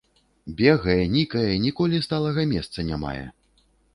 Бегае, нікае, ніколі сталага месца не мае.